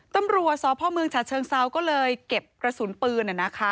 ตำรัฐสอบพ่อเมืองชะเชิงเซาตำรวจก็เลยเก็บกระสุนปืนค่ะ